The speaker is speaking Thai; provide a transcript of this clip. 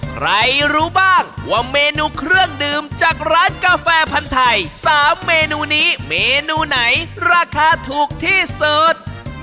ใครรู้บ้างว่าเมนูเครื่องดื่มจากร้านกาแฟพันธุ์ไทย๓เมนูนี้เมนูไหนราคาถูกที่สุด